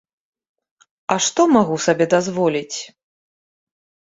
А што магу сабе дазволіць?